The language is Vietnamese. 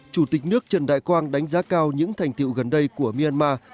chủ tịch nước trần đại quang đánh giá cao những thành tiệu gần đây của myanmar